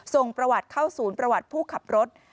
ส่งประวัติเข้าศูนย์ประวัติผู้ขับรถ